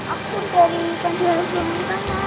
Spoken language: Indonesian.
aku dari panti asuhan mana